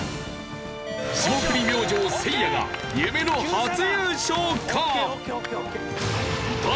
霜降り明星せいやが夢の初優勝か？